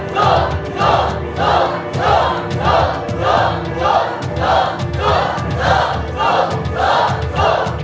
สู้สู้สู้สู้